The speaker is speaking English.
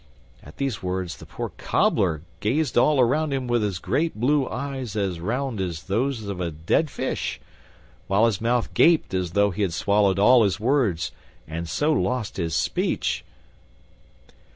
At these words the poor Cobbler gazed all around him with his great blue eyes as round as those of a dead fish, while his mouth gaped as though he had swallowed all his words and so lost his speech.